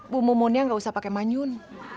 bu mumunnya gak usah pake manyun